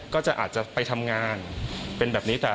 อาจจะอาจจะไปทำงานเป็นแบบนี้